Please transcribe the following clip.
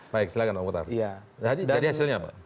baik silahkan pak mukhtar jadi hasilnya apa